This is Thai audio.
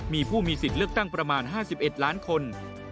มีผู้มีสิทธิ์เลือกตั้งประมาณ๕๑ล้านคน